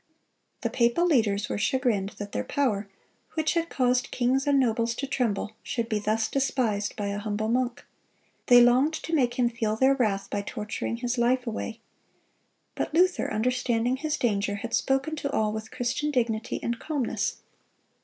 The papal leaders were chagrined that their power, which had caused kings and nobles to tremble, should be thus despised by a humble monk; they longed to make him feel their wrath by torturing his life away. But Luther, understanding his danger, had spoken to all with Christian dignity and calmness.